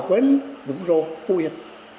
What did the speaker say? quến vũng rô khu vịnh